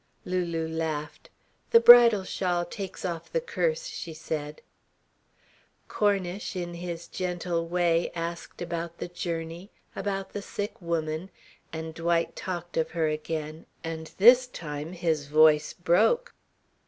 Lulu laughed. "The bridal shawl takes off the curse," she said. Cornish, in his gentle way, asked about the journey, about the sick woman and Dwight talked of her again, and this time his voice broke.